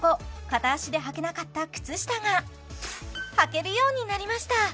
片足ではけなかった靴下がはけるようになりました！